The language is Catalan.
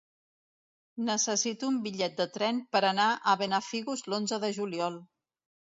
Necessito un bitllet de tren per anar a Benafigos l'onze de juliol.